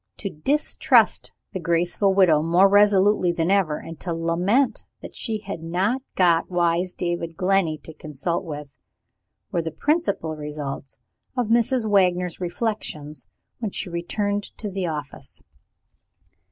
To distrust the graceful widow more resolutely than ever, and to lament that she had not got wise David Glenney to consult with, were the principal results of Mrs. Wagner's reflections when she returned to the office.